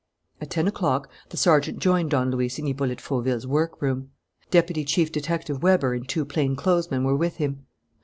At ten o'clock the sergeant joined Don Luis in Hippolyte Fauville's workroom. Deputy Chief Detective Weber and two plain clothesmen were with him.